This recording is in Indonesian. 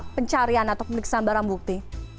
untuk pencarian atau peniksaan barang bukti